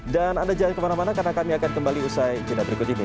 dan anda jangan kemana mana karena kami akan kembali usai jenayah berikut ini